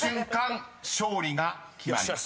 勝利が決まります］